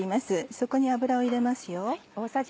そこに油を入れます。